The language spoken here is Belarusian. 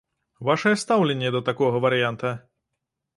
Вашае стаўленне да такога варыянта?